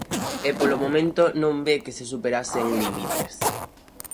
E, polo momento, non ve que se superasen límites.